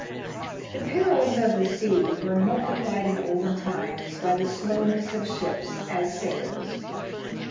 The perils of the sea were multiplied in olden times by the slowness of ships as sailers.